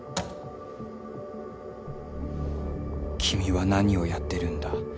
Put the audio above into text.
「君は何をやってるんだ？」